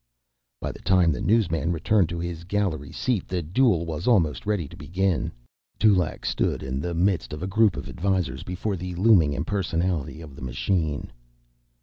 By the time the newsman returned to his gallery seat, the duel was almost ready to begin again. Dulaq stood in the midst of a group of advisors before the looming impersonality of the machine.